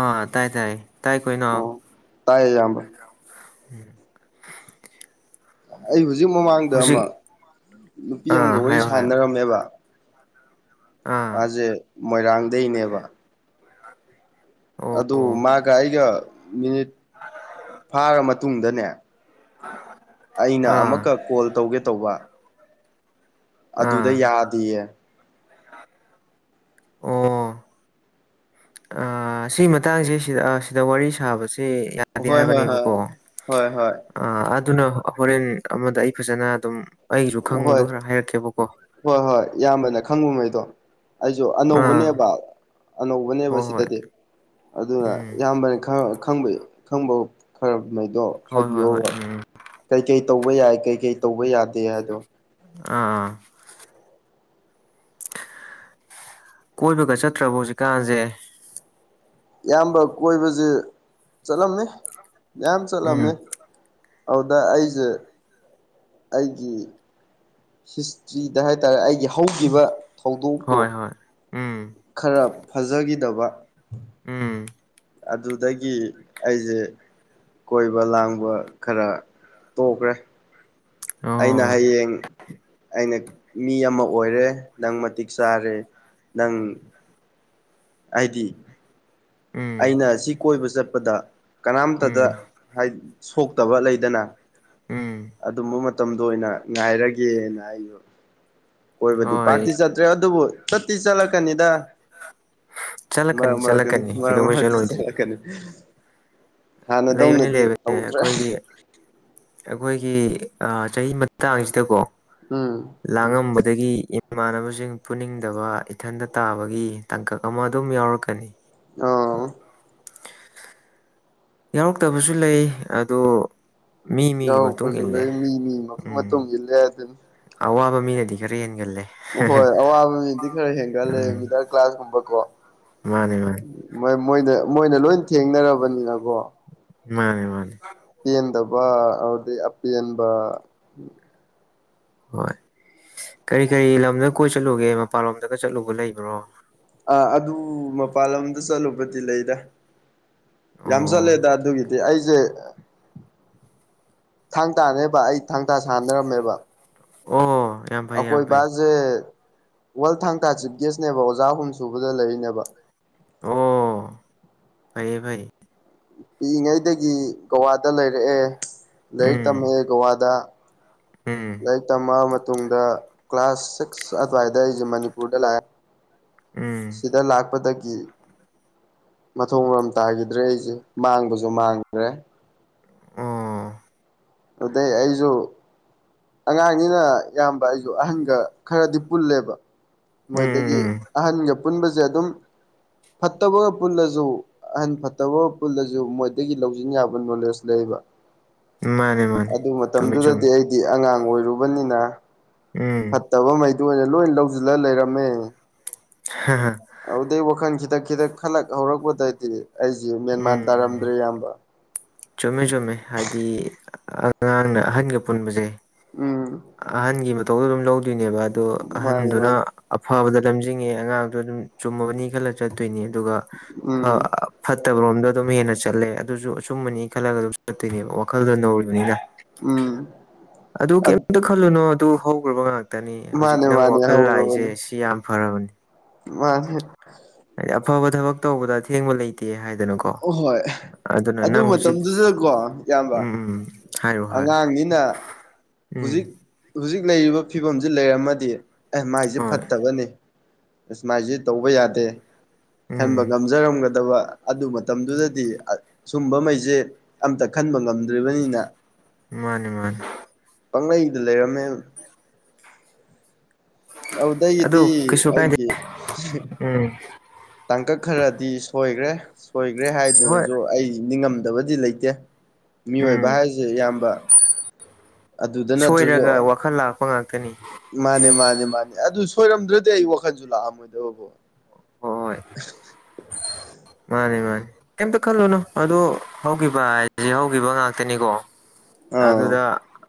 ꯑ ꯇꯥꯏ ꯇꯥꯏ ꯇꯥꯏ ꯀꯣꯏꯅ ꯑꯣ ꯇꯥꯏꯌꯦ ꯌꯥꯝꯕ ꯑꯩ ꯍꯧꯖꯤꯛ ꯃꯃꯥꯡꯗ ꯍꯧꯖꯤꯛ ꯑꯃ ꯅꯨꯄꯤ ꯑꯥ ꯑꯃꯒ ꯋꯥꯔꯤ ꯍꯥꯏꯌꯣ ꯍꯥꯏꯌꯣ ꯁꯥꯟꯅꯔꯝꯃꯦꯕ ꯑꯥ ꯃꯥꯁꯦ ꯃꯣꯏꯔꯥꯡꯗꯒꯤꯩꯅꯦꯕ ꯑꯣ ꯑꯗꯨ ꯃꯥꯒ ꯑꯩꯒ ꯃꯤꯅꯤꯠ ꯐꯥꯔ ꯃꯇꯨꯡꯗꯅꯦ ꯑꯩꯅ ꯑꯥ ꯑꯃꯨꯛꯀ ꯀꯣꯜ ꯇꯧꯒꯦ ꯇꯧꯕ ꯑꯗꯨꯗ ꯑꯥ ꯌꯥꯗꯌꯦ ꯑꯣꯥ ꯁꯤꯒꯤ ꯃꯇꯥꯡꯁꯦ ꯁꯤꯗ ꯁꯤꯗ ꯋꯥꯔꯤ ꯁꯥꯕꯕꯁꯤꯦ ꯌꯥꯗꯤ ꯍꯣꯏ ꯍꯣꯏ ꯍꯣꯏ ꯍꯥꯏꯕꯅꯦꯕꯀꯣ ꯍꯣꯏ ꯍꯣꯏ ꯑ ꯑꯗꯨꯅ ꯍꯣꯔꯦꯟ ꯑꯃꯗ ꯑꯩ ꯐꯖꯅ ꯑꯗꯨꯝ ꯑꯩꯁꯨ ꯈꯪꯉꯨꯗꯣ ꯍꯣꯏ ꯈꯔ ꯍꯥꯏꯔꯛꯀꯦꯕꯀꯣ ꯍꯣꯏ ꯍꯣꯏ ꯏꯌꯥꯝꯕꯅ ꯈꯪꯕꯉꯩꯗꯣ ꯑꯩꯁꯨ ꯑꯥ ꯑꯅꯧꯕꯅꯦꯕ ꯑꯅꯧꯕꯅꯦꯕ ꯍꯣꯏ ꯍꯣꯏ ꯁꯤꯗꯗꯤ ꯑꯗꯨꯅ ꯎꯝ ꯏꯌꯥꯝꯕꯅ ꯈꯪꯕ ꯈꯪꯕ ꯈꯔꯉꯩꯗꯣ ꯍꯣꯏ ꯍꯣꯏ ꯍꯣꯏ ꯍꯥꯏꯕꯤꯌꯣꯕ ꯎꯝ ꯀꯩꯀꯩ ꯇꯧꯕ ꯌꯥꯏ ꯀꯩꯀꯩ ꯇꯧꯕ ꯌꯥꯗ ꯑꯥ ꯑꯥ ꯀꯣꯏꯕꯒ ꯆꯠꯇ꯭ꯔꯕ ꯍꯧꯖꯤꯛꯀꯥꯟꯁꯦ ꯏꯌꯥꯝꯕ ꯀꯣꯏꯕꯁꯦ ꯆꯠꯂꯝꯃꯤ ꯌꯥꯝ ꯎꯝ ꯆꯠꯂꯝꯃꯤ ꯑꯗꯨꯗ ꯑꯩꯁꯦ ꯑꯩꯒꯤ ꯍꯤꯁꯇ꯭ꯔꯤꯗ ꯍꯥꯏꯇꯥꯔꯦ ꯑꯩꯒꯤ ꯍꯧꯈꯤꯕ ꯊꯧꯗꯣꯛꯇꯣ ꯍꯣꯏ ꯍꯣꯏ ꯎꯝ ꯈꯔ ꯐꯖꯈꯤꯗꯕ ꯎꯝ ꯑꯗꯨꯗꯒꯤ ꯑꯩꯁꯦ ꯀꯣꯏꯕ ꯂꯥꯡꯕ ꯈꯔ ꯇꯣꯛꯈ꯭ꯔꯦ ꯑꯩꯅ ꯑꯣ ꯍꯌꯦꯡ ꯑꯩꯅ ꯃꯤ ꯑꯃ ꯑꯣꯏꯔꯦ ꯅꯪ ꯃꯇꯤꯛ ꯆꯥꯔꯦ ꯅꯪ ꯍꯥꯏꯗꯤ ꯎꯝ ꯑꯩꯅ ꯁꯤ ꯀꯣꯏꯕ ꯆꯠꯄꯗ ꯀꯅꯥꯝꯇꯗ ꯎꯝ ꯁꯣꯛꯇꯕ ꯂꯩꯗꯅ ꯎꯝ ꯑꯗꯨꯝꯕ ꯃꯇꯝꯗ ꯑꯣꯏꯅ ꯉꯥꯏꯔꯒꯦꯅ ꯑꯩꯕ ꯀꯣꯏꯕꯗꯤ ꯍꯣꯏ ꯄꯥꯛꯇꯤ ꯆꯠꯇ꯭ꯔꯦ ꯑꯗꯨꯕꯨ ꯆꯠꯇꯤ ꯆꯠꯂꯛꯀꯅꯤꯗ ꯆꯂꯀꯅꯤ ꯃꯔꯛ ꯃꯔꯛꯇꯅꯤ ꯆꯂꯀꯅꯤ ꯃꯔꯛ ꯃꯔꯛꯇ ꯆꯠꯂꯛꯀꯅꯤ ꯂꯩꯕꯅꯤ ꯍꯥꯟꯅꯗꯧꯅꯗꯤ ꯂꯩꯕꯅꯤ ꯇꯧꯗ꯭ꯔꯦ ꯑꯩꯈꯣꯏꯒꯤ ꯑꯩꯈꯣꯏꯒꯤ ꯆꯍꯤ ꯃꯇꯥꯡꯁꯤꯗꯀꯣ ꯎꯝ ꯂꯥꯡꯉꯝꯕꯗꯒꯤ ꯏꯃꯥꯟꯅꯕꯁꯤꯡ ꯄꯨꯅꯤꯡꯗꯕ ꯏꯊꯟꯇ ꯇꯥꯕꯒꯤ ꯇꯥꯡꯀꯛ ꯑꯃ ꯑꯗꯨꯝ ꯌꯥꯎꯔꯛꯀꯅꯤ ꯑ ꯌꯥꯎꯔꯛꯇꯕꯁꯨ ꯂꯩ ꯑꯗꯣ ꯃꯤ ꯃꯤꯒꯤ ꯃꯇꯨꯡ ꯌꯥꯎꯔꯛꯄꯁꯨ ꯏꯜꯂꯦ ꯂꯩ ꯃꯤ ꯃꯤ ꯎꯝ ꯃꯇꯨꯡ ꯏꯜꯂꯦ ꯍꯥꯢꯗꯨꯅꯤ ꯑꯋꯥꯕ ꯃꯤꯅꯗꯤ ꯈꯔ ꯍꯦꯟꯒꯜꯂꯦ꯫ ꯍꯣꯏ ꯑꯋꯥꯕ ꯃꯤꯅꯗꯤ ꯈꯔ ꯍꯦꯟꯒꯠꯂꯦ ꯎꯝ ꯃꯤꯗꯜ ꯀ꯭ꯂꯥꯁꯀꯨꯝꯕ ꯀꯣ꯫ ꯃꯥꯅꯦ ꯃꯥꯅꯦ꯫ ꯃꯣꯏ ꯃꯣꯏꯗ ꯃꯣꯏꯅ ꯂꯣꯏ ꯊꯦꯡꯅꯔꯕꯅꯤꯅꯀꯣ꯫ ꯃꯥꯅꯦ ꯃꯥꯅꯦ꯫ ꯄꯦꯟꯗꯕ ꯑꯗꯨꯗꯩꯩ ꯑꯄꯦꯟꯕ꯫ ꯍꯣꯏ ꯀꯔꯤ ꯀꯔꯤ ꯂꯝꯗ ꯀꯣꯏ ꯆꯠꯂꯨꯒꯦ ꯃꯄꯜꯂꯣꯝꯗꯒ ꯆꯠꯂꯨꯕ ꯂꯩꯕ꯭ꯔꯣ꯫ ꯑꯥ ꯑꯗꯨ ꯃꯄꯥꯟ ꯂꯝꯗ ꯆꯠꯂꯨꯕꯗꯤ ꯂꯩꯗ ꯌꯥꯝ ꯑꯣ ꯆꯠꯂꯦꯗ ꯑꯗꯨꯒꯤꯗꯤ ꯑꯩꯁꯦ ꯊꯥ ꯇꯥꯅꯦꯕ ꯑꯩ ꯊꯥꯡ ꯇꯥ ꯁꯥꯟꯅꯔꯝꯃꯦꯕ ꯑꯣ ꯌꯥꯝ ꯐꯩ ꯌꯥꯝ ꯑꯀꯣꯏ ꯐꯩ ꯕꯁꯦ ꯋꯥꯜ ꯊꯥꯡ ꯇꯥ ꯆꯦꯝꯄꯤꯌꯦꯅꯦꯕ ꯑꯣꯖꯥ ꯑꯍꯨꯝ ꯁꯨꯕꯗ ꯂꯩꯔꯤꯅꯦꯕ ꯑꯣ ꯐꯩꯌꯦ ꯐꯩ ꯄꯤꯛꯏꯉꯩꯗꯒꯤ ꯒꯋꯥꯗ ꯂꯩꯔꯛꯑꯦ ꯂꯥꯏꯔꯤꯛ ꯇꯝꯃꯛꯑꯦ ꯒꯋꯥꯗ ꯑꯝ ꯂꯥꯏꯔꯤꯛ ꯇꯝꯂꯛꯑꯕ ꯃꯇꯨꯡꯗ ꯀ꯭ꯂꯥꯁ ꯁꯤꯛꯁ ꯑꯗꯨꯋꯥꯏꯗ ꯑꯩꯁꯦ ꯃꯅꯤꯄꯨꯔꯗ ꯂꯥꯛꯑꯦ ꯎꯝ ꯁꯤꯗ ꯂꯥꯛꯄꯗꯒꯤ ꯃꯊꯣꯡ ꯃꯔꯝ ꯇꯥꯈꯤꯗ꯭ꯔꯦ ꯑꯩꯁꯦ ꯃꯥꯡꯕꯁꯨ ꯃꯥꯡꯗ꯭ꯔꯦ ꯑꯣ ꯑꯗꯨꯗꯩ ꯑꯩꯁꯨ ꯑꯉꯥꯡꯅꯤꯅ ꯏꯌꯥꯝꯕ ꯑꯩꯁꯨ ꯑꯍꯟꯒ ꯈꯔꯗꯤ ꯄꯨꯜꯂꯦꯕ꯫ ꯎꯝ ꯃꯣꯏꯗꯒꯤ ꯎꯝ ꯑꯍꯟꯒ ꯄꯨꯟꯕꯁꯦ ꯑꯗꯨꯝ ꯐꯠꯇꯕꯒ ꯄꯨꯜꯂꯁꯨ ꯑꯍꯟ ꯐꯠꯇꯕ ꯄꯨꯜꯂꯁꯨ ꯃꯣꯏꯗꯒꯤ ꯂꯧꯁꯤꯟ ꯌꯥꯕ ꯅꯣꯂꯦꯖ ꯂꯩꯕ ꯃꯥꯅꯦ ꯃꯥꯅꯦ ꯑꯗꯨ ꯆꯨꯝꯃꯤ ꯃꯇꯝꯗꯨꯗꯗꯤ ꯆꯨꯝꯃꯤ ꯑꯩꯗꯤ ꯑꯉꯥꯡ ꯑꯣꯏꯔꯨꯕꯅꯤꯅ ꯎꯝ ꯐꯠꯇꯕ ꯃꯩ ꯃꯣꯏꯅꯥ ꯂꯣꯏ ꯂꯧꯁꯤꯜꯂ ꯂꯩꯔꯝꯃꯦ꯫ ꯍꯥ ꯍꯥ ꯑꯗꯨꯗꯩ ꯋꯥꯈꯜ ꯈꯤꯇꯛ ꯈꯤꯇꯛ ꯈꯜꯂꯛ ꯍꯧꯔꯛꯄꯗꯗꯤ ꯑꯩꯁꯦ ꯃꯦꯟꯃꯥꯟ ꯇꯥꯔꯝꯗ꯭ꯔꯦ ꯎꯝ ꯏꯌꯥꯝꯕ꯫ ꯆꯨꯝꯃꯦ ꯆꯨꯝꯃꯦ ꯍꯥꯏꯗꯤ ꯑꯉꯥꯡꯅ ꯑꯍꯟꯒ ꯄꯨꯟꯕꯁꯦ ꯎꯝ꯫ ꯑꯍꯟꯒꯤ ꯃꯇꯧꯗꯣ ꯑꯗꯨꯝ ꯂꯧꯗꯣꯏꯅꯦꯕ ꯑꯗꯣ ꯃꯥꯅꯤ ꯑꯍꯟꯗꯨꯅ ꯃꯥꯅꯤ ꯑꯐꯕꯗ ꯂꯝꯖꯤꯡꯉꯦ ꯑꯉꯥꯡꯗꯣ ꯑꯗꯨꯝ ꯆꯨꯝꯃꯕꯅꯤ ꯈꯜꯂ ꯆꯠꯇꯣꯏꯅꯤ ꯑꯗꯨꯒ ꯎꯝ ꯐꯠꯇꯕꯔꯣꯝꯗꯣ ꯑꯗꯨꯝ ꯍꯦꯟꯅ ꯆꯠꯂꯦ ꯑꯗꯨꯁꯨ ꯑꯆꯨꯝꯕꯅꯤ ꯈꯜꯂꯒ ꯑꯗꯨꯝ ꯆꯠꯇꯣꯏꯅꯦꯕ ꯋꯥꯈꯜꯗꯣ ꯅꯧꯔꯤꯕꯅꯤꯅ꯫ ꯎꯝ ꯑꯗꯨ ꯀꯩꯝꯇ ꯈꯜꯂꯨꯅꯣ ꯑꯗꯨ ꯍꯧꯈ꯭ꯔꯕ ꯉꯥꯛꯇ ꯇꯅꯤ ꯍꯧꯖꯤꯛꯇꯤ ꯃꯥꯅꯦ ꯅꯪ ꯃꯥꯅꯦ ꯋꯥꯈꯜ ꯂꯥꯛꯏꯁꯦ ꯁꯤ ꯌꯥꯝ ꯐꯔꯕꯅꯤ꯫ ꯃꯥꯅꯤ ꯍꯥꯏꯗꯤ ꯑꯐꯕ ꯊꯕꯛ ꯇꯧꯕꯗ ꯑꯊꯦꯡꯕ ꯂꯩꯇꯦ ꯍꯥꯏꯗꯅꯀꯣ ꯍꯣꯏ ꯑꯗꯨꯅ ꯑꯗꯨ ꯅꯪ ꯍꯧꯖꯤꯛ ꯃꯇꯝꯗꯨꯗꯀꯣ ꯏꯌꯥꯝꯕ ꯎꯝ ꯎꯝ ꯍꯥꯏꯔꯣ ꯍꯥꯏꯔꯣ ꯑꯉꯥꯡꯅꯤꯅ ꯎꯝ ꯍꯧꯖꯤꯛ ꯍꯧꯖꯤꯛ ꯂꯩꯔꯤꯕ ꯐꯤꯕꯝꯁꯤ ꯂꯩꯔꯝꯃꯗꯤ ꯑꯦ ꯃꯥꯏꯁꯦ ꯍꯣꯏ ꯐꯠꯇꯕꯅꯤ꯫ ꯃꯥꯏꯁꯤ ꯇꯧꯕ ꯌꯥꯗꯦ ꯈꯟꯕ ꯎꯝ ꯉꯝꯖꯔꯝꯒꯗꯕ ꯑꯗꯨ ꯃꯇꯝꯗꯨꯗꯗꯤ ꯁꯨꯝꯕꯈꯩꯁꯦ ꯑꯝꯇ ꯈꯟꯕ ꯉꯝꯗ꯭ꯔꯤꯕꯅꯤꯅ ꯃꯥꯅꯤ ꯃꯥꯅꯤ꯫ ꯄꯥꯡꯂꯩꯗ ꯂꯩꯔꯝꯃꯦ ꯑꯗꯨꯗꯒꯤꯗꯤ ꯑꯗꯨ ꯀꯩꯁꯨ ꯀꯥꯏꯗꯦ ꯑꯩꯒꯤ ꯎꯝ꯫ ꯇꯥꯡꯀꯛ ꯈꯔꯗꯤ ꯁꯣꯏꯈ꯭ꯔꯦ ꯁꯣꯏꯈ꯭ꯔꯦ ꯍꯣꯏ ꯍꯥꯏꯗꯨꯅꯁꯨ ꯑꯩ ꯅꯤꯡꯉꯝꯗꯕꯗꯤ ꯂꯩꯇ ꯂꯩꯇꯦ ꯃꯤꯑꯣꯏꯕ ꯎꯝ ꯍꯥꯏꯁꯦ ꯢꯌꯥꯝꯕ꯫ ꯁꯣꯏꯔꯒ ꯋꯥꯈꯜ ꯂꯥꯛꯄ ꯉꯥꯛꯇꯅꯤ ꯃꯥꯅꯦ ꯃꯥꯅꯦ ꯃꯥꯅꯦ ꯑꯗꯨ ꯁꯣꯏꯔꯝꯗ꯭ꯔꯗꯤ ꯑꯩ ꯋꯥꯈꯟꯁꯨ ꯂꯥꯛꯑꯝꯃꯣꯏꯗꯕ ꯀꯣ ꯍꯣꯏ [unintelligible] ꯃꯥꯅꯦ ꯃꯥꯅꯦ ꯀꯩꯝꯇ ꯈꯜꯂꯨꯅꯨ ꯑꯗꯣ ꯍꯧꯈꯤꯕ ꯍꯥꯏꯁꯦ ꯍꯧꯈꯤꯕ ꯉꯥꯛꯇꯅꯤꯀꯣ ꯑꯥꯎ ꯑꯗꯨꯗ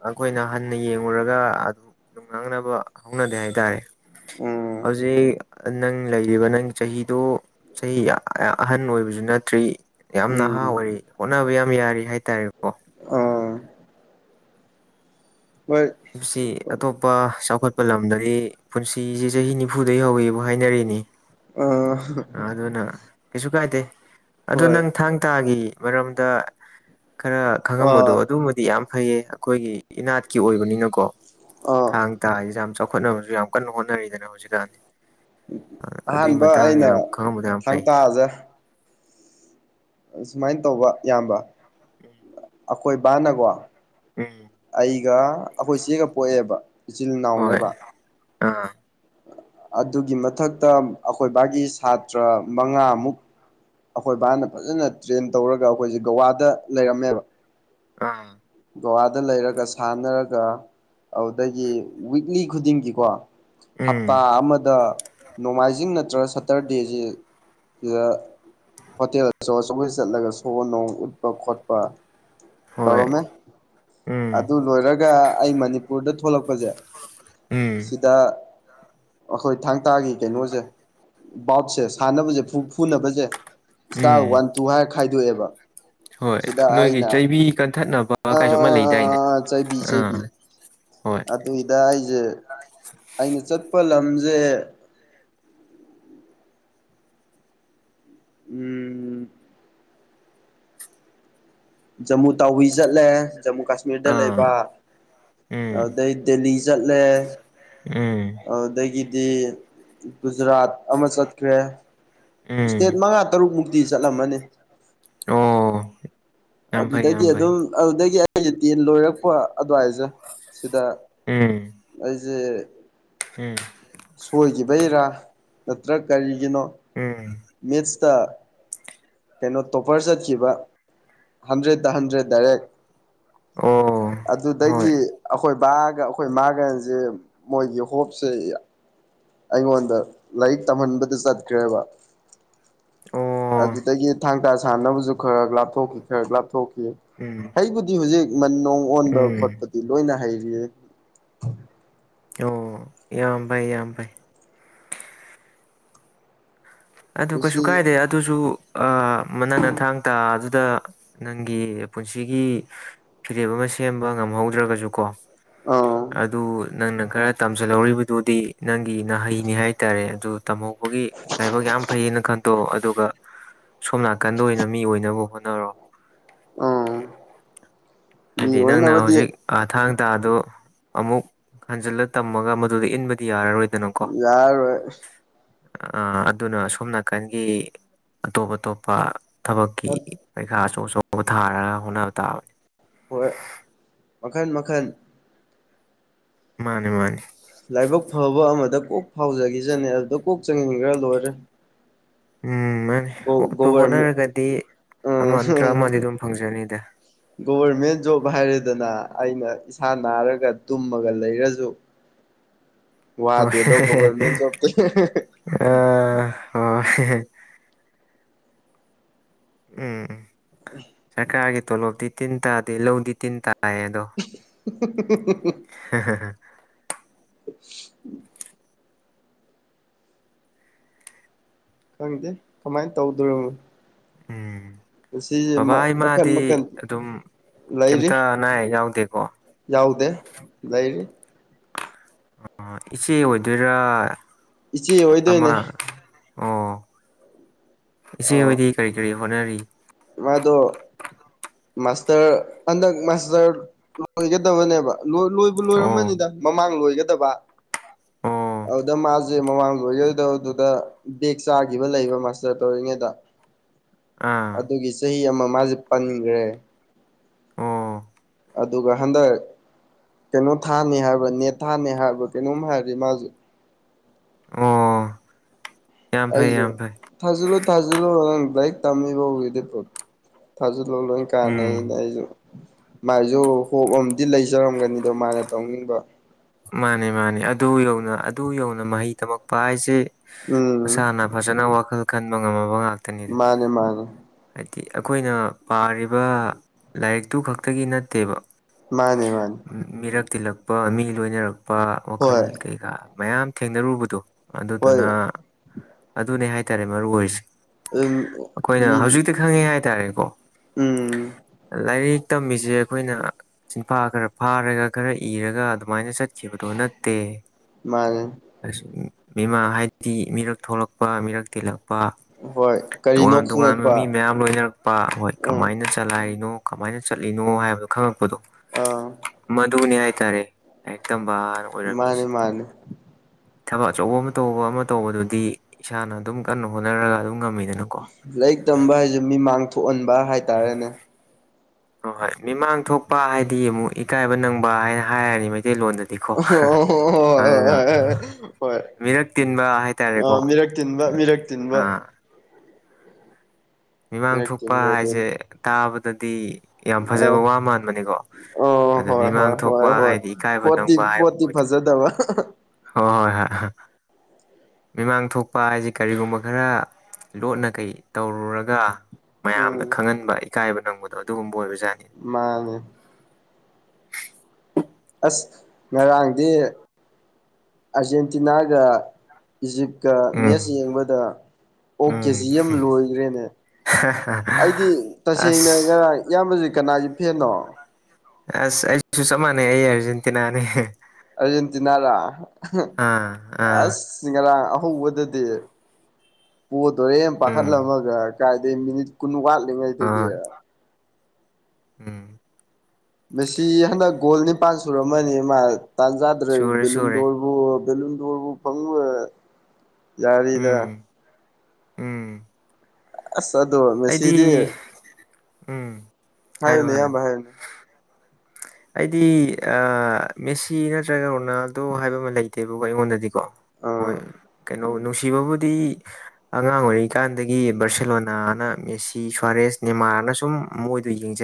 ꯑꯩꯈꯣꯏꯅ ꯍꯟꯅ ꯌꯦꯡꯨꯔꯒ ꯑꯗꯨ ꯅꯨꯡꯅꯥꯡꯅꯕ ꯍꯧꯅꯗꯦ ꯍꯥꯏꯇꯥꯔꯦ ꯎꯝ ꯍꯧꯖꯤꯛ ꯅꯪ ꯂꯩꯔꯤꯕ ꯅꯪ ꯆꯍꯤꯗꯣ ꯆꯍꯤ ꯌꯥꯝ ꯑꯍꯟ ꯑꯣꯏꯕꯁꯨ ꯅꯠꯇ꯭ꯔꯤ ꯌꯥꯝ ꯅꯍꯥ ꯎꯝ ꯑꯣꯏꯔꯤ ꯍꯣꯠꯅꯕ ꯌꯥꯝ ꯌꯥꯔꯤ ꯍꯥꯏꯇꯥꯔꯦꯀꯣ ꯑꯥ [unintelligible] ꯁꯤ ꯑꯇꯣꯞꯄ ꯆꯥꯎꯈꯠꯄ ꯂꯝꯗꯗꯤ ꯄꯨꯟꯁꯤꯁꯦ ꯆꯍꯤ ꯅꯤꯐꯨꯗꯩ ꯍꯧꯋꯦꯕ ꯍꯥꯏꯅꯔꯤꯅꯤ ꯑꯥ ꯑꯗꯨꯅ ꯀꯩꯁꯨ ꯀꯥꯏꯗꯦ ꯑꯗꯨ ꯍꯣꯏ ꯅꯪ ꯊꯥꯡ ꯇꯥꯒꯤ ꯃꯔꯝꯗ ꯈꯔ ꯈꯪꯉꯝꯕꯗꯣ ꯑꯥ ꯑꯗꯨꯃꯥꯗꯤ ꯌꯥꯝ ꯐꯩꯌꯦ ꯑꯩꯈꯣꯏꯒꯤ ꯏꯅꯥꯠꯀꯤ ꯑꯣꯏꯕꯅꯤꯅꯀꯣ ꯑꯥ ꯥꯊꯥꯡ ꯇꯥ ꯁꯦ ꯌꯥꯝ ꯆꯥꯎꯈꯠꯅꯕꯁꯨ ꯌꯥꯝ ꯀꯟꯅ ꯍꯣꯠꯅꯔꯤꯗꯅ ꯍꯧꯖꯤꯛꯀꯥꯟꯗꯤ ꯑꯗꯨꯒꯤ ꯑꯍꯥꯟꯕ ꯃꯇꯥꯡ ꯑꯩꯅ ꯌꯥꯝ ꯈꯪꯉꯕꯗꯨ ꯌꯥꯝ ꯐꯩ [unintelligible] ꯁꯨꯃꯥꯏꯅ ꯇꯧꯕ ꯏꯌꯥꯝꯕꯥ ꯎꯝ [unintelligible] ꯑꯈꯣꯏ ꯕꯥ ꯅꯀꯣ ꯎꯝ ꯑꯩꯒ ꯑꯩꯈꯣꯏ ꯏꯆꯦꯒ ꯄꯣꯛꯑꯦꯕ ꯏꯆꯤꯜ ꯍꯣꯏ ꯏꯅꯥꯎꯅꯦꯕ ꯑꯥ ꯑꯗꯨꯒꯤ ꯃꯊꯛꯇ ꯑꯩꯈꯣꯏꯕꯥꯒꯤ ꯁꯥꯇ꯭ꯔ ꯃꯉꯥꯃꯨꯛ ꯑꯩꯈꯣꯏ ꯕꯥꯅ ꯐꯖꯅ ꯇ꯭ꯔꯦꯟ ꯇꯧꯔꯒ ꯑꯩꯈꯣꯏꯁꯦ ꯒꯋꯥꯗ ꯂꯩꯔꯝꯃꯦꯕ ꯑꯥ ꯒꯣꯋꯥꯗ ꯂꯩꯔꯒ ꯁꯥꯟꯅꯔꯒ ꯑꯗꯨꯗꯒꯤ ꯋꯤꯛꯂꯤ ꯈꯨꯗꯤꯡꯒꯤꯀꯣ ꯍꯞꯇꯥ ꯎꯝ ꯑꯃꯗ ꯅꯣꯡꯃꯥꯏꯖꯤꯡ ꯅꯠꯇ꯭ꯔꯒ ꯁꯇꯔꯗꯦꯁꯤ ꯁꯤꯗꯥ ꯍꯣꯇꯦꯜ ꯑꯆꯧ ꯑꯆꯧꯕꯗꯥ ꯆꯠꯂꯒ ꯁꯣ ꯅꯣꯡ ꯎꯠꯄ ꯈꯣꯠꯄ ꯍꯣꯏ ꯇꯧꯔꯝꯃꯦ ꯎꯝ ꯑꯗꯨ ꯂꯣꯏꯔꯒ ꯒ ꯑꯩ ꯃꯅꯤꯄꯨꯔꯗ ꯊꯣꯛꯂꯛꯄꯁꯦ ꯎꯝ ꯁꯤꯗ ꯑꯩꯈꯣꯏ ꯊꯥꯡ ꯇꯥꯒꯤ ꯀꯩꯅꯣꯁꯦ ꯕꯥꯎꯠꯁꯦ ꯁꯥꯟꯅꯕꯁꯦ ꯐꯨꯅꯕꯁꯦ ꯏꯁꯇꯥꯔ ꯎꯝ ꯋꯥꯟ ꯇꯨ ꯍꯥꯏꯔ ꯈꯥꯏꯗꯣꯛꯑꯦꯕ ꯍꯣꯏ ꯁꯤꯗ ꯅꯣꯏꯒꯤ ꯑꯩꯅ ꯆꯩꯕꯤ ꯀꯟꯊꯠꯅꯕ ꯑ ꯀꯥꯏꯁꯨ ꯑꯃ ꯂꯩꯗꯥꯏꯅꯦ ꯆꯩꯕꯤ ꯑꯥ ꯆꯩꯕꯤ ꯍꯣꯏ ꯑꯗꯨꯏꯗ ꯑꯩꯁꯦ ꯑꯩꯅ ꯆꯠꯄ ꯂꯝꯁꯦ ꯎꯝ ꯖꯃꯨ ꯇꯥꯎꯕꯤ ꯆꯠꯂꯦ ꯖꯃꯨ ꯀꯥꯁꯃꯤꯔ ꯀ ꯀꯥꯁꯃꯤꯔꯗ ꯑꯥ ꯂꯩꯕ ꯎꯝ ꯑꯗꯨꯗꯩ ꯗꯦꯂꯤ ꯆꯠꯂꯦ ꯎꯝ ꯑꯗꯨꯗꯒꯤꯗꯤ ꯒꯨꯖꯔꯥꯠ ꯑꯃ ꯆꯠꯈ꯭ꯔꯦ ꯎꯝ ꯏꯁꯇꯦꯠ ꯃꯉꯥ ꯇꯔꯨꯛ ꯃꯨꯛꯇꯤ ꯆꯠꯂꯝꯃꯅꯤ ꯑꯣ ꯌꯥꯝ ꯐꯩ ꯑꯗꯨꯗꯒꯤ ꯌꯥꯝ ꯐꯩ ꯑꯗꯨꯝ ꯑꯗꯨꯗꯒꯤ ꯑꯩꯁ ꯇꯦꯟ ꯂꯣꯏꯔꯛꯄ ꯑꯗꯨꯋꯥꯏꯁꯦ ꯁꯤꯗ ꯎꯝ ꯑꯩꯁꯦ ꯎꯝ ꯁꯣꯏꯈꯤꯕꯩꯔꯥ ꯅꯠꯇ꯭ꯔ ꯀꯔꯤꯒꯤꯅꯣ ꯎꯝ ꯃꯦꯁꯇ ꯀꯩꯅꯣ ꯇꯣꯄꯔ ꯆꯠꯈꯤꯕ ꯍꯟꯗ꯭ꯔꯦꯗꯠꯇ ꯍꯟꯗ꯭ꯔꯦꯠ ꯗꯥꯏꯔꯦꯛ ꯑꯣ ꯍꯣꯏ ꯑꯗꯨꯗꯒꯤ ꯑꯩꯈꯣꯏ ꯕꯥꯒ ꯑꯩꯈꯣꯏ ꯃꯥꯒꯁꯦ ꯃꯣꯏꯒꯤ ꯍꯣꯞꯁꯦ ꯑꯩꯉꯣꯟꯗ ꯂꯥꯏꯔꯤꯛ ꯇꯝꯍꯟꯕꯗ ꯆꯠꯈ꯭ꯔꯦꯕ ꯑꯣ ꯑꯗꯨꯗꯒꯤ ꯊꯥꯡ ꯇꯥ ꯁꯥꯟꯅꯕꯁꯨ ꯈꯔ ꯂꯥꯞꯊꯣꯛꯈꯤ ꯈꯔ ꯂꯥꯞꯊꯣꯛꯈꯤ ꯍꯝ ꯑꯗꯨ ꯍꯧꯖꯤꯛ ꯃꯟ ꯅꯨꯡ ꯑꯣꯟꯕ ꯈꯣꯠꯄꯗꯤ ꯂꯣꯏꯅ ꯍꯩꯔꯤꯑ ꯑꯣ ꯌꯥꯝ ꯐꯥꯏ ꯌꯥꯝ ꯐꯥꯏ ꯑꯗꯨ ꯀꯁꯨ ꯃꯁꯤ ꯀꯥꯏꯗꯦ ꯑꯗꯨꯁꯨ ꯃꯅꯅ ꯊꯥꯡ ꯇꯥ ꯑꯗꯨꯗ ꯅꯪꯒꯤ ꯄꯨꯟꯁꯤꯒꯤ ꯐꯤꯔꯦꯞ ꯑꯃ ꯁꯦꯝꯕ ꯉꯝꯍꯧꯗ꯭ꯔꯒꯁꯨ ꯀꯣ ꯑꯥ ꯑꯗꯨ ꯅꯪꯅ ꯈꯔ ꯇꯝꯁꯤꯜꯍꯧꯔꯤꯕꯗꯨꯗꯤ ꯅꯪꯒꯤ ꯅꯍꯩꯅꯤ ꯍꯥꯏꯇꯥꯔꯦ ꯑꯗꯨ ꯇꯝꯍꯧꯕ ꯒꯤ ꯂꯥꯏꯕꯛ ꯌꯥꯝ ꯐꯩꯌꯦꯅ ꯈꯟꯇꯣꯛ ꯑꯗꯨꯒ ꯁꯣꯝ ꯅꯥꯀꯟꯗ ꯑꯣꯏꯅ ꯃꯤ ꯑꯣꯏꯅꯕ ꯍꯣꯠꯅꯔꯣ ꯑꯥ ꯃꯤ ꯍꯥꯏꯗꯤ ꯅꯪꯅ ꯑꯣꯏꯅꯕꯗꯤ ꯍꯧꯖꯤꯛ ꯊꯥꯡ ꯇꯥꯗ ꯑꯃꯨꯛ ꯍꯟꯖꯤꯜꯂ ꯇꯝꯃꯒ ꯃꯗꯨꯗ ꯏꯟꯕꯗꯤ ꯌꯥꯔꯔꯣꯏ ꯌꯥꯔꯣꯏ ꯑ ꯑꯗꯨꯅ ꯁꯣꯝ ꯅꯥꯀꯟꯒꯤ ꯑꯇꯣꯞ ꯑꯇꯣꯞꯄ ꯊꯕꯛꯀꯤ ꯄꯔꯤꯈꯥ ꯑꯆꯧ ꯑꯆꯧꯕ ꯊꯥꯔꯒ ꯍꯣꯠꯅꯕ ꯇꯥꯕꯅꯤ ꯍꯣꯏ ꯃꯈꯜ ꯃꯈꯜ ꯃꯥꯅꯤ ꯃꯥꯅꯤ ꯂꯥꯏꯕꯛ ꯐꯕ ꯑꯃꯗ ꯀꯣꯛ ꯐꯥꯎꯖꯈꯤꯖꯅꯦ ꯑꯗꯨꯗ ꯀꯣꯛ ꯆꯪꯁꯤꯟꯈ꯭ꯔ ꯂꯣꯏꯔꯦ ꯎꯝ ꯃꯥꯅꯤꯠꯄ ꯒꯣꯚꯔꯃꯦꯟ ꯍꯣꯠꯅꯔꯒꯗꯤ ꯑꯃ ꯅꯠꯇ꯭ꯔ ꯑꯃꯗꯤ ꯑꯗꯨꯝ ꯐꯪꯖꯅꯤꯗ ꯒꯣꯚꯔꯃꯦꯟ ꯖꯣꯕ ꯍꯥꯏꯔꯗꯅ ꯑꯩꯅ ꯏꯁꯥ ꯅꯥꯔꯒ ꯇꯨꯝꯃꯒ ꯂꯩꯔꯁꯨ [unintelligible] ꯋꯥꯗꯦꯗꯣ ꯒꯣꯚꯔꯃꯦꯟ ꯍ ꯖꯣꯕꯇꯤ ꯑ ꯍꯣꯏ ꯎꯝ ꯎꯝ ꯁꯔꯀꯥꯔꯒꯤ ꯇꯣꯂꯣꯞꯇꯤ ꯇꯤꯟ ꯇꯥꯗꯦ ꯂꯧꯗꯤ ꯇꯤꯟ ꯇꯥꯏꯌꯦ ꯑꯗꯣ [unintelligible] ꯍ ꯎꯝ ꯈꯪꯗꯦ ꯀꯃꯥꯏꯅ ꯇꯧꯗꯣꯔꯤꯕꯅꯣ ꯎꯝ ꯁꯤꯁꯦ ꯕꯥ ꯏ ꯃꯈꯟ ꯃꯥꯗꯤ ꯃꯈꯟ ꯑꯗꯨꯝ ꯂꯩꯔꯤ ꯀꯩꯝꯇ ꯅꯥ ꯌꯥꯎꯗꯦꯀꯣ ꯌꯥꯎꯗꯦ ꯂꯩꯔꯤ ꯑꯣ ꯏꯆꯦ ꯑꯣꯏꯗꯣꯏꯔꯥ ꯏꯆꯦ ꯑꯃ ꯑꯣꯏꯗꯣꯏꯅꯦ ꯑꯣ ꯏꯆꯦ ꯑ ꯍꯣꯏꯗꯤ ꯀꯔꯤ ꯀꯔꯤ ꯍꯣꯠꯅꯔꯤ ꯃꯥꯗꯣ ꯃꯥꯁꯇꯔ ꯍꯟꯗꯛ ꯃꯥꯁꯇꯔ ꯂꯣꯏꯒꯗꯕꯅꯦꯕ ꯂꯣꯏꯕ ꯑꯣ ꯂꯣꯏꯔꯝꯃꯅꯤꯗ ꯃꯃꯥꯡ ꯂꯣꯏꯒꯗꯕ ꯑꯣ ꯑꯣꯗ ꯃꯥ ꯁꯦ ꯃꯃꯥꯡꯗꯣꯏꯒꯣꯏꯗꯧꯗꯨꯗ ꯕꯦꯦꯛ ꯆꯥꯈꯤꯕ ꯂꯩꯕ ꯃꯥꯁꯇꯔ ꯇꯧꯔꯤꯉꯩꯗ ꯑꯥ ꯑꯗꯨꯒꯤ ꯆꯍꯤ ꯑꯃ ꯃꯥꯁꯦ ꯄꯟꯈ꯭ꯔꯦ ꯑꯣ ꯑꯗꯨꯒ ꯍꯟꯗꯛ ꯀꯩꯅꯣ ꯊꯥꯅꯤ ꯍꯥꯏꯕ ꯅꯦꯠ ꯊꯥꯅꯤ ꯍꯥꯏꯔꯕ ꯀꯩꯅꯣꯝ ꯍꯥꯏꯔꯗꯤ ꯃꯥꯁꯨ ꯑꯥ ꯑꯩꯁꯨꯣ ꯊꯖꯂꯣ ꯊꯥꯖꯜꯂꯣ ꯂꯂꯥꯡ ꯂꯏꯛ ꯇꯝꯃꯤꯕꯗꯣ ꯊꯖꯜ ꯂꯣ ꯂ ꯀꯥꯟꯅꯩꯩꯅ ꯎꯝ ꯑꯩꯁꯨ ꯃꯥꯏꯁꯨ ꯍꯣꯞ ꯑꯃꯗꯤꯝ ꯂꯩꯖꯔꯝꯒꯅꯤꯗꯣ ꯃꯥꯅ ꯇꯧꯅꯤꯡꯕ ꯃꯥꯅꯤ ꯃꯥꯅꯤ ꯑꯗꯨ ꯌꯧꯅ ꯑꯗꯨ ꯌꯧꯅ ꯃꯍꯩ ꯇꯝꯃꯛꯄ ꯍꯥꯏꯁꯦ ꯎꯝ ꯃꯁꯥꯅ ꯐꯖꯅ ꯋꯥꯈꯜ ꯀꯟꯕ ꯉꯝꯃꯕ ꯉꯥꯛꯇꯅꯤꯗ ꯃꯥꯅꯦ ꯃꯥꯅꯦ ꯍꯥꯏꯗꯤ ꯑꯩꯈꯣꯏꯅ ꯄꯥꯔꯤꯕ ꯂꯥꯏꯔꯤꯛꯇꯨ ꯈꯛꯇꯒꯤ ꯅꯠꯇꯦꯕ ꯃꯥꯅꯦ ꯃꯥꯅꯦ ꯃꯤꯔꯛ ꯇꯤꯜꯂꯛꯄ ꯃꯤ ꯂꯣꯏꯅꯔꯛꯄ ꯋꯥꯈꯜ ꯍꯣꯏ ꯀꯩꯀꯥ ꯃꯌꯥꯝ ꯊꯦꯡꯅꯔꯨꯕꯗꯣ ꯑꯗꯨꯗꯨꯅ ꯍꯣꯏ ꯑꯗꯨꯅꯦ ꯍꯥꯏꯇꯥꯔꯦ ꯃꯔꯨ ꯑꯣꯏꯔꯤꯁꯦ ꯑꯗꯨꯝ ꯑꯩꯈꯣꯏꯅ ꯃꯤ ꯍꯧꯖꯤꯛꯇꯤ ꯈꯪꯉꯦ ꯍꯥꯏꯇꯥꯔꯦꯀꯣ ꯎꯝ ꯂꯥꯏꯔꯤꯛ ꯇꯝꯃꯤꯁꯦ ꯑꯩꯈꯣꯏꯅ ꯁꯤꯤꯟꯐꯥ ꯈꯔ ꯐꯥꯔꯒ ꯈꯔ ꯏꯔꯒ ꯑꯗꯨꯝ ꯁꯨꯃꯥꯏꯅ ꯆꯠꯈꯤꯕꯗꯣ ꯅꯠꯇꯦ ꯃꯥꯒꯦ ꯃꯤꯃꯥ ꯍꯥꯏꯕꯗꯤ ꯃꯤꯔꯛ ꯊꯣꯛꯂꯛꯄ ꯃꯤꯔꯛ ꯇꯤꯜꯂꯛꯄ ꯍꯣꯏ ꯀꯔꯤꯅꯣ ꯇꯣꯉꯥꯟ ꯇꯣꯉꯥꯟꯕ ꯈꯪꯉꯛꯄ ꯃꯤ ꯃꯌꯥꯝ ꯂꯣꯏꯅꯔꯛꯄ ꯍꯣꯏ ꯎꯝ ꯀꯃꯥꯏꯅ ꯆꯂꯥꯏꯔꯤꯅꯣ ꯀꯃꯥꯏꯅ ꯆꯠꯂꯤꯅꯣ ꯍꯥꯏꯕꯗꯨꯣ ꯈꯪꯉꯛꯄꯗꯣ ꯑꯥ ꯃꯗꯨꯅꯦ ꯍꯥꯏꯇꯥꯔꯦ ꯍꯦꯛꯇ ꯕꯥꯔ ꯑꯣꯏꯔꯝꯃꯤꯁꯦ ꯃꯥꯅꯦ ꯃꯥꯅꯦ ꯊꯕꯛ ꯑꯆꯧꯕ ꯑꯃ ꯇꯧꯕ ꯑꯃ ꯇꯧꯕꯗꯨꯗꯤ ꯏꯁꯥꯅ ꯑꯗꯨꯝ ꯀꯟꯅ ꯍꯣꯠꯅꯔꯒ ꯑꯗꯨꯝ ꯉꯝꯃꯤꯗꯅꯣ ꯂꯥꯏꯔꯤꯛ ꯇꯝꯕ ꯍꯥꯏꯁꯦ ꯃꯤꯃꯥꯡ ꯊꯣꯛꯍꯟꯕ ꯍꯥꯏꯇꯥꯔꯦꯅꯦ ꯍꯣꯏ ꯍꯣꯏ ꯃꯤꯃꯥꯡ ꯊꯣꯛꯄ ꯍꯥꯏꯗꯤ ꯑꯃꯨꯛ ꯏꯀꯥꯏꯕ ꯅꯪꯕ ꯍꯥꯏꯅ ꯍꯥꯏꯔꯅꯤ ꯃꯩꯇꯩꯂꯣꯟꯗꯁꯨ ꯑꯣ ꯍꯣꯏ ꯍꯣꯏ ꯍꯣꯏ ꯍꯣꯏ ꯍꯣꯏ ꯍꯣꯏ ꯃꯤꯔꯛ ꯇꯤꯟꯕ ꯑ ꯍꯥꯏꯇꯥꯔꯦꯀꯣ ꯃꯤꯔꯛ ꯇꯤꯟꯕ ꯃꯤꯔꯛ ꯇꯤꯟꯕ ꯑꯥ ꯃꯤꯃꯥꯡ ꯃꯤꯔꯛ ꯊꯣꯛꯄ ꯇꯤꯟꯕ ꯍꯥꯏꯁꯦ ꯑꯗꯨꯅꯤ ꯇꯥꯕꯗꯗꯤ ꯌꯥꯝ ꯑꯥ ꯐꯖꯕ ꯋꯥ ꯃꯥꯟꯕꯅꯤꯀꯣ ꯑꯣ ꯑꯗꯣ ꯍꯣꯏ ꯃꯤꯃꯥꯡ ꯍꯣꯏ ꯍꯣꯏ ꯊꯣꯛꯄ ꯍꯥꯏꯗꯤ ꯏꯀꯥꯏꯕ ꯅꯪꯕ ꯍꯥꯏꯕ ꯑꯣꯏꯗꯤ ꯗꯕ ꯍꯣꯏ ꯍꯣꯏ ꯍꯣꯏ ꯃꯤꯃꯥꯡ ꯊꯣꯛꯄ ꯍꯥꯏꯁꯤ ꯀꯔꯤꯒꯨꯝꯕ ꯈꯔ ꯂꯣꯠꯅ ꯀꯩ ꯇꯧꯔꯨꯔꯒ ꯃꯌꯥꯝꯗ ꯎꯝ ꯈꯪꯍꯟꯕ ꯏꯀꯥꯏꯕ ꯅꯪꯕꯗꯣ ꯑꯗꯨꯒꯨꯝꯕ ꯑꯣꯏꯕꯖꯥꯠꯅꯤ ꯃꯥꯅꯦ ꯑꯁ ꯉꯔꯥꯡꯗꯤ ꯑꯥꯔꯖꯦꯟꯇꯤꯅꯥꯒ ꯏꯖꯤꯞꯀ ꯎꯝ ꯃꯦꯠꯁ ꯌꯦꯡꯕꯗ ꯑꯣ ꯀꯦ ꯎꯝ ꯖꯤ ꯑꯃ ꯂꯣꯏꯈ꯭ꯔꯦꯅꯦ ꯑꯩꯗꯤ ꯇꯁꯦꯡꯅ ꯑꯁ ꯉꯔꯥꯡ ꯏꯌꯥꯝꯕꯁꯤ ꯀꯅꯥꯁꯨ ꯐꯦꯅꯣ ꯑꯁ ꯑꯩꯁꯨ ꯆꯞ ꯃꯥꯟꯅꯩ ꯑꯩ ꯑꯔꯖꯦꯟꯇꯤꯅꯥꯅꯦ ꯑꯔꯖꯦꯟꯇꯤꯅꯥ ꯔ ꯑꯥ ꯑꯥ ꯑꯁ ꯤꯡ ꯉꯔꯥꯡ ꯑꯍꯧꯕꯗꯗꯤ ꯄꯣ ꯇꯣꯔꯦꯟ ꯎꯝ ꯄꯥꯈꯠꯂꯝꯃꯒ ꯀꯥꯏꯗꯒꯤ ꯃꯤꯅꯤꯠ ꯀꯨꯟ ꯋꯥꯠꯂꯤꯉꯩꯗꯒꯤ ꯍꯣꯏ ꯎꯝ ꯃꯁꯤ ꯍꯟꯗꯛ ꯒꯣꯜ ꯅꯤꯄꯥꯟ ꯁꯨꯔꯝꯃꯅꯤ ꯃꯥ ꯇꯥꯟꯖꯥꯗ꯭ꯔꯦ ꯁꯨꯔꯦ ꯁꯨꯔꯦ ꯕꯦꯂꯨꯟꯗꯕꯨ ꯕꯦꯂꯨꯗꯣꯟꯕꯨ ꯐꯪꯕ ꯌꯥꯔꯤꯗ ꯎꯝ ꯎꯝ ꯑꯁ ꯑꯗꯣ ꯉꯦꯁꯤꯗꯤ ꯑꯩꯗꯤ ꯎꯝ ꯍꯥꯏꯌꯣ ꯍꯥꯏꯌꯨꯅꯦ ꯍꯥꯏꯌꯣ ꯑꯌꯥꯝꯕ ꯍꯥꯏꯌꯨꯅꯦ ꯑꯩꯗꯤ ꯃꯦꯁꯤ ꯅꯠꯇ꯭ꯔꯒ ꯔꯣꯅꯥꯜꯗꯣ ꯍꯥꯏꯕ ꯑꯃ ꯂꯩꯇꯦꯕꯀꯣ ꯑꯩꯉꯣꯟꯗꯗꯤ ꯀꯣ ꯑꯥ ꯍꯣꯏ ꯀꯩꯅꯣ ꯅꯨꯡꯁꯤꯕꯕꯨꯗꯤ ꯑꯉꯥꯡ ꯑꯣꯏꯔꯤꯉꯀꯥꯟꯗꯒꯤ ꯕꯥꯔꯁꯦꯂꯣꯅꯥꯅ ꯃꯦꯁꯤ ꯁ꯭ꯋꯥꯔꯦꯁ ꯅꯤꯃꯥꯅ ꯁꯨꯝ ꯃꯣꯏꯗꯣ ꯌꯦꯡꯖꯩ